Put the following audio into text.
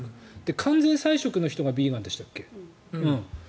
完全菜食の人がビーガンでしたっけ。